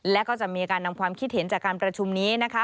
และก็จะมีการนำความคิดเห็นจากการประชุมนี้นะคะ